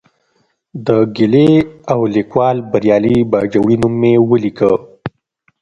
د ګیلې او لیکوال بریالي باجوړي نوم مې ولیکه.